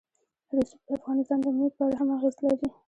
رسوب د افغانستان د امنیت په اړه هم اغېز لري.